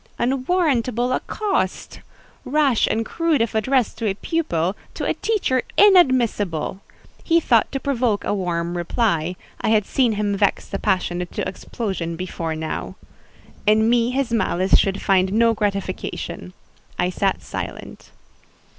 Unwarrantable accost!—rash and rude if addressed to a pupil; to a teacher inadmissible. He thought to provoke a warm reply; I had seen him vex the passionate to explosion before now. In me his malice should find no gratification; I sat silent.